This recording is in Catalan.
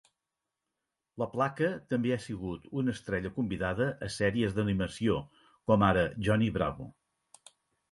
LaPlaca també ha sigut una estrella convidada a sèries d'animació com ara "Johnny Bravo".